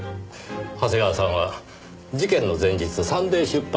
長谷川さんは事件の前日サンデー出版に電話をしています。